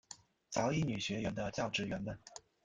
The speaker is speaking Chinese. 早乙女学园的教职员们。